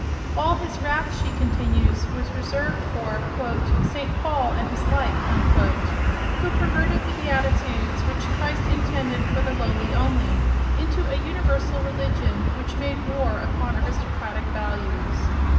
All his wrath, she continues, was reserved for "St. Paul and his like," who perverted the Beatitudes, which Christ intended for the lowly only, into a universal religion which made war upon aristocratic values.